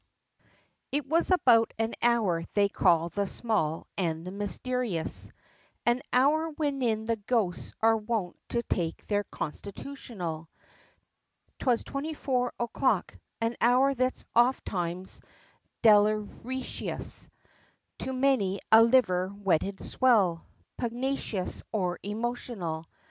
IT was about an hour they call the small, and the mysterious, An hour wherein the ghosts are wont to take their constitutional, 'Twas twenty four o'clock; an hour that's oftimes deleterious To many a liver wetted swell, pugnacious or emotional.